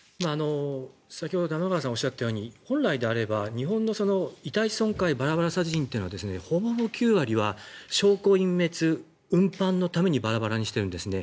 先ほど玉川さんがおっしゃったように本来であれば日本の遺体損壊バラバラ殺人っていうのはほぼほぼ９割は証拠隠滅運搬のためにバラバラにしているんですね。